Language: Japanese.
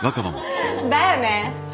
だよね